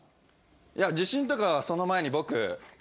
いや自信とかその前に僕。